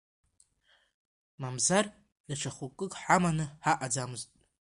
Мамзар, даҽа хықәкык ҳаманы ҳаҟаӡамызт.